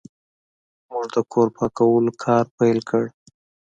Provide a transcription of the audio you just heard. موږ د کور پاکولو کار پیل کړ.